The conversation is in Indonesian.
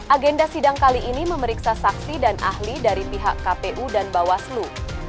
agenda sidang kali ini memeriksa saksi dan ahli dari pihak kpu dan bawaslu